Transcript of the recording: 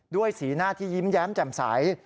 สีหน้าที่ยิ้มแย้มแจ่มใส